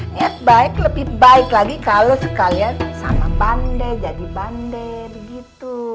niat baik lebih baik lagi kalau sekalian sama bander jadi bander gitu